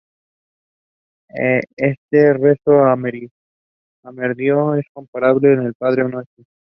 Este rezo amerindio es comparable al Padre nuestro.